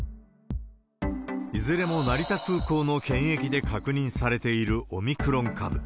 いずれも成田空港の検疫で確認されているオミクロン株。